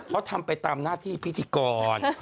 เขาทำไปตามหน้าที่พิธีกร